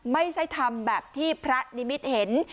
ไม่ใช่ทำแบบที่พระนิมิตเห็น